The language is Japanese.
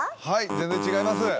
はい全然違います！